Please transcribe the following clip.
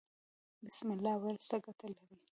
بسم الله ویل څه ګټه لري؟